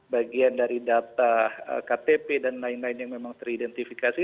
bagian dari data ktp dan lain lain yang memang teridentifikasi